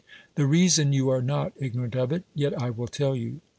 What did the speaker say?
The reason — you are not ignorant of it — yet I will tell you.